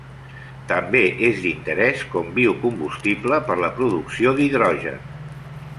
També és d'interès com biocombustible per la producció d'hidrogen.